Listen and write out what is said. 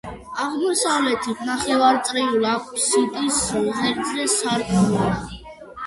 აღმოსავლეთის ნახევარწრიული აფსიდის ღერძზე სარკმელია.